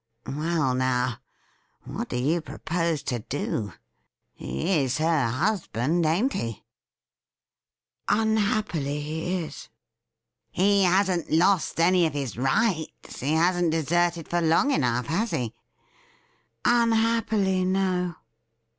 Well, now, what do you propose to do ? He is her husband, ain't he ?'* Unhappily, he is.' 17 268 THE RIDDLE RING ' He hasn't lost any of his rights — he hasn't deserted iot long enough, has he ?'' Unhappily, no.'